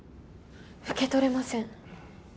受け取れません。